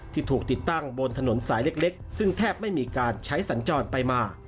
ที่ถูกติดตั้งบนถนนสายเล็กซึ่งแทบไม่มีการใช้สัญจรไปมา